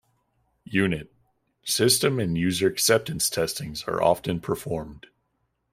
Unit, system and user acceptance testings are often performed.